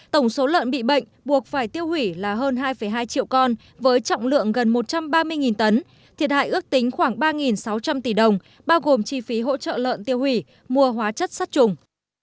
tổng số lợn bị bệnh buộc phải tiêu hủy là hơn hai hai triệu con với trọng lượng gần một trăm ba mươi tấn thiệt hại ước tính khoảng ba sáu trăm linh tỷ đồng bao gồm chi phí hỗ trợ lợn tiêu hủy mua hóa chất sát trùng